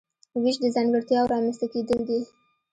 وېش د ځانګړتیاوو رامنځته کیدل دي.